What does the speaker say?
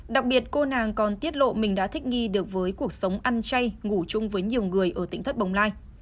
đặc biệt cô nàng còn tiết lộ mình đã thích nghi được với cuộc sống ăn chay ngủ chung với nhiều người ở tỉnh thất bồng lai